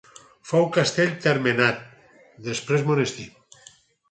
Fou castell termenat, després monestir.